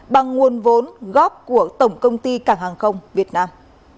bằng nguồn vốn góp của tổng công ty cảng hàng không việt nam